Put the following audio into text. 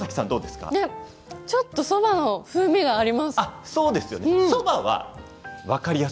ちょっとそばの風味があります。